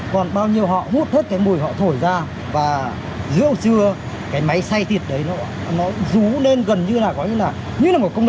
còn bao nhiêu họ hút hết cái mùi họ thổi ra và rượu rưa cái máy xay thịt đấy nó rú lên gần như là có như là như là một công đông chạy ngang qua nhà luôn